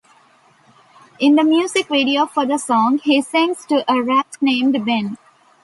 In the music video for the song, he sings to a rat named Ben.